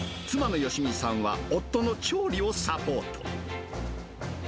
妻の好美さんは、夫の調理をサポート。